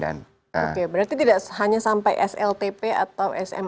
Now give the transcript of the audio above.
oke berarti tidak hanya sampai sltp atau smp